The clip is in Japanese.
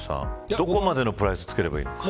どこまでのプライスを付ければいいのか。